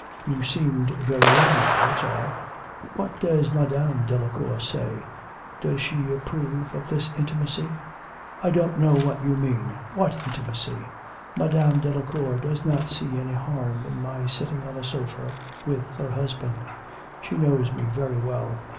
'You seemed very intimate, that's all. What does Madame Delacour say? Does she approve of this intimacy?' 'I don't know what you mean. What intimacy? Madame Delacour does not see any harm in my sitting on a sofa with her husband. She knows me very well.